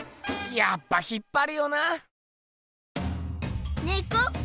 やっぱ引っぱるよな。